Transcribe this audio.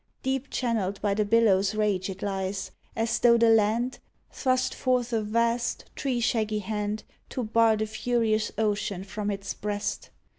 Deep channelled by the billows' rage it lies, As tho the land Thrust forth a vast, tree shaggy hand To bar the furious ocean from its breast.